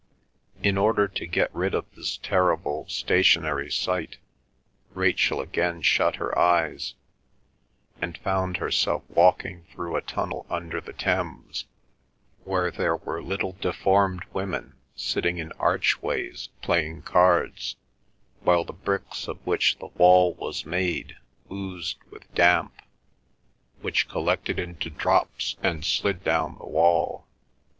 In order to get rid of this terrible stationary sight Rachel again shut her eyes, and found herself walking through a tunnel under the Thames, where there were little deformed women sitting in archways playing cards, while the bricks of which the wall was made oozed with damp, which collected into drops and slid down the wall.